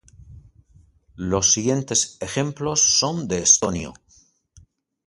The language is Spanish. Los siguientes ejemplos son de estonio.